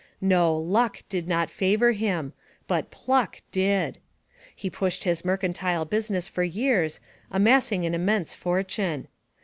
No, "luck" did not favor him, but "pluck" did. He pushed his mercantile business for years, amassing an immense fortune.